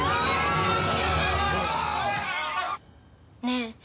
ねえ。